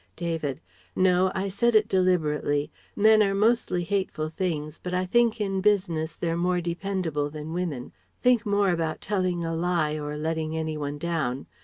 David: "No, I said it deliberately. Men are mostly hateful things, but I think in business they're more dependable than women think more about telling a lie or letting any one down.